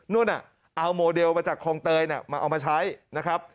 นู่นเอาโมเดลมาจากคลองเตยมาเอามาใช้นะครับ